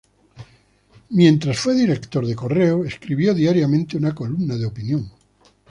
Mientras fue director de "Correo", escribió diariamente una columna de opinión.